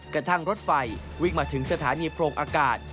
กระทั่งรถไฟวิ่งมาถึงสถานีโพรงอากาศ